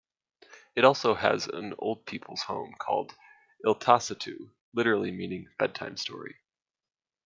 It also has an old peoples home called Iltasatu literally meaning bedtime story.